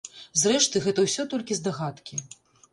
Зрэшты, гэта ўсё толькі здагадкі.